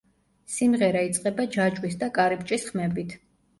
სიმღერა იწყება ჯაჭვის და კარიბჭის ხმებით.